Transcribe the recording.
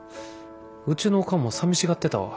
うちのおかんもさみしがってたわ。